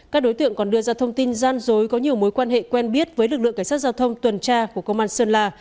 các đối tượng còn đưa ra thông tin gian dối có nhiều mối quan hệ quen biết với lực lượng cảnh sát giao thông tuần tra của công an sơn la